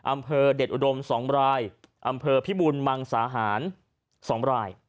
อำเภอเด็ดอุดม๒รายอำเภอพิบุญมังสาหาร๒ราย